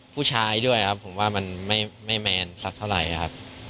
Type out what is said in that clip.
ผู้ชายด้วยครับผมว่ามันไม่แมนสักเท่าไหร่ครับ